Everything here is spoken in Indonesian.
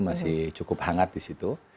masih cukup hangat di situ